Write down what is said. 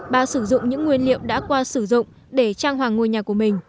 bà sử dụng những nguyên liệu đã qua sử dụng để trang hoàng ngôi nhà của mình